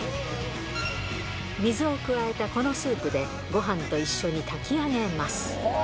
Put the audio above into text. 水を加えたこのスープで、ごはんと一緒に炊き上げます。